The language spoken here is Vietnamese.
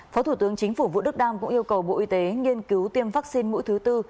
phó thủ tướng chính phủ vũ đức đam cũng yêu cầu bộ y tế nghiên cứu tiêm vaccine mũi thứ tư